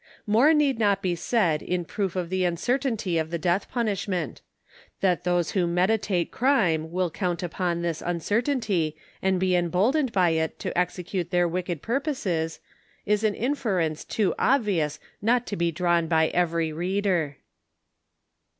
More need not be said in proof of the uncertainty of the death punishment. That those who meditate crime will count upon this uncertainty, and be emboldened by it to execute their wicked pur poses, is an inference too obvious not to be drawn by every reader.